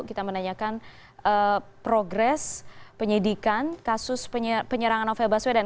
kita menanyakan progres penyidikan kasus penyerangan novel baswedan